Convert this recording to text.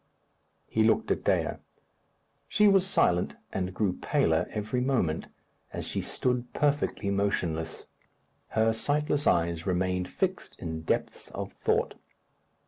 He looked at Dea. She was silent, and grew paler every moment, as she stood perfectly motionless. Her sightless eyes remained fixed in depths of thought.